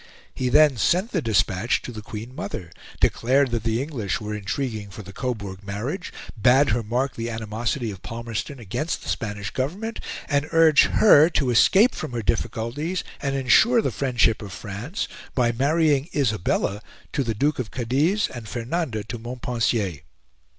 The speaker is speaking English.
He then sent the despatch to the Queen Mother, declared that the English were intriguing for the Coburg marriage, bade her mark the animosity of Palmerston against the Spanish Government, and urged her to escape from her difficulties and ensure the friendship of France by marrying Isabella to the Duke of Cadiz and Fernanda to Montpensier.